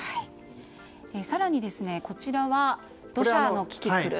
更に、こちらは土砂のキキクル。